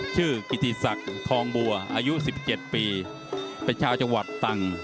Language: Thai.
ชื่อกิติสักทองบัวอายุ๑๗ปีเป็นชาวจังหวัดตังค์